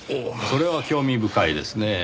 それは興味深いですねぇ。